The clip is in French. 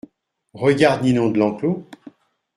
Regarde Ninon de Lenclos !